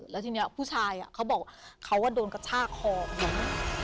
แล้วทีนี้ผู้ชายเขาบอกเขาก็โดนกระชากคอของหนู